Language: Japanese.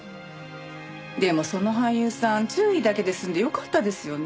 でもその俳優さん注意だけで済んでよかったですよね。